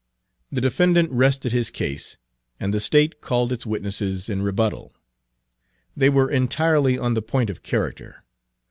The defendant rested his case, and the State called its witnesses in rebuttal. They were entirely on the point of character.